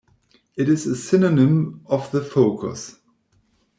It is a synonym of the focus.